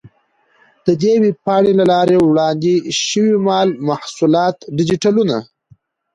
د دې ویب پاڼې له لارې وړاندې شوي مالي محصولات ډیجیټلونه،